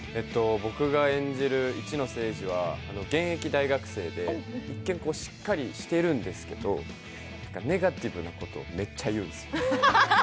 僕が演じる一之瀬栄治は、現役大学生で、結構しっかりしているんですけど、ネガティブなことをめっちゃ言うんですよ。